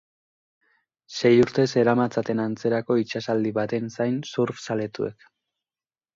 Sei urte zeramatzaten antzerako itsasaldi baten zain surf zaletuek.